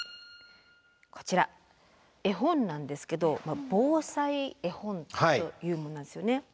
こちら絵本なんですけど「防災絵本」というものなんですよね。